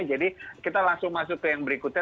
jadi kita langsung masuk ke yang berikutnya